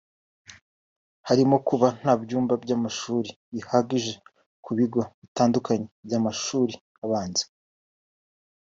harimo kuba nta byumba by’amashuri bihagije ku bigo bitandukanye by’amashuri abanza